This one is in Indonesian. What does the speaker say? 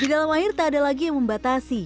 di dalam air tak ada lagi yang membatasi